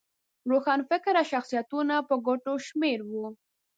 روښانفکره شخصیتونه په ګوتو شمېر وو.